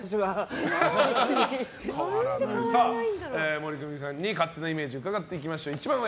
モリクミさんに勝手なイメージをうかがっていきましょう。